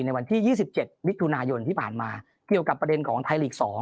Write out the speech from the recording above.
ในวันที่๒๗มิถุนายนที่ผ่านมาเกี่ยวกับประเด็นของไทยลีก๒